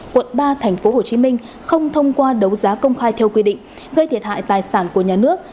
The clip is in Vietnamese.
quận ba tp hcm không thông qua đấu giá công khai theo quy định gây thiệt hại tài sản của nhà nước